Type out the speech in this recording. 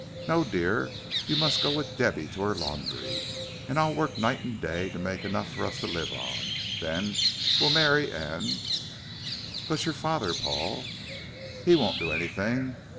No, dear, you must go with Debby to her laundry, and I'll work night and day to make enough for us to live on. Then we'll marry, and " "But your father, Paul?" "He won't do anything.